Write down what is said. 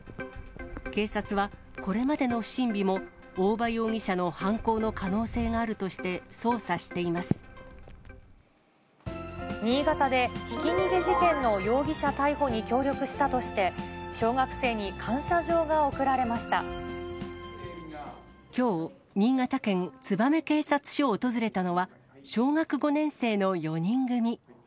警察は、これまでの不審火も大場容疑者の犯行の可能性があるとして、新潟で、ひき逃げ事件の容疑者逮捕に協力したとして、小学生に感謝状が贈きょう、新潟県燕警察署を訪れたのは、小学５年生の４人組。